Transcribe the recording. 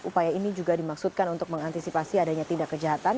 upaya ini juga dimaksudkan untuk mengantisipasi adanya tindak kejahatan